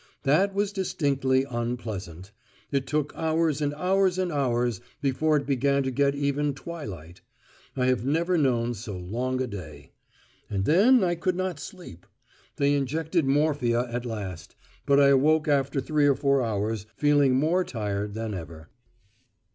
That was distinctly unpleasant. It took hours and hours and hours before it began to get even twilight. I have never known so long a day. And then I could not sleep. They injected morphia at last, but I awoke after three or four hours feeling more tired than ever.